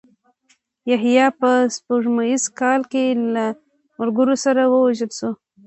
یحیی په سپوږمیز کال کې له ملګرو سره ووژل شو.